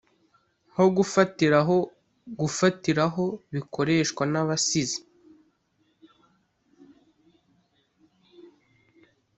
nko gufatiraho gufatiraho bikoreshwa n'abasizi